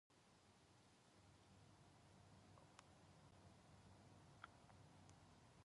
米国留学中、授業内プレゼンで内容が理解されず笑われた経験がある。